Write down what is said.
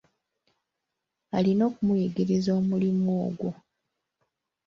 Alina okumuyigiriza omirimu ogwo.